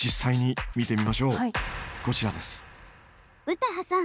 ・詩羽さん